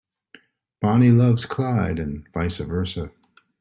Bonnie loves Clyde and vice versa.